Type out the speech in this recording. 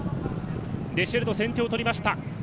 デシエルト先手を取りました。